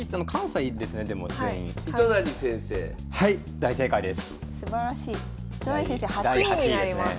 大正解です。